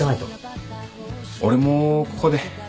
俺もここで。